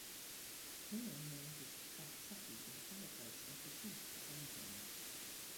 Karen manages to trap Chucky in the fireplace and proceeds to burn him.